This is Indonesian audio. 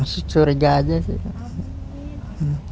surga aja sih